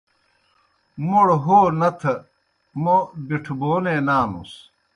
موْڑ ہو نتھہ موْبِٹھبَونے نانُس۔